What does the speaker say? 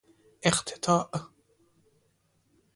اقتطاع